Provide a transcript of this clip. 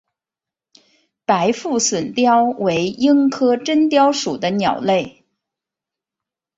白腹隼雕为鹰科真雕属的鸟类。